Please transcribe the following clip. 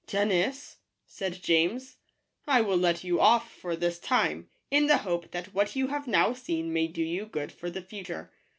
" Dennis," said James, " I will let you off for this time, in the hope that what you have now seen may do you good for the future.